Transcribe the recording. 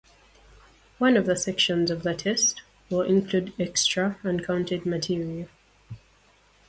One of the sections of the test will include extra, uncounted material.